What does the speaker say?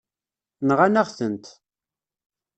Nɣan-aɣ-tent.